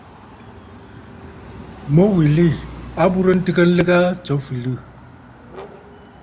Mu wilì a burə nlɨgə aa tsiʼì lɨ̀gə̀, tso fɨliɨ̂.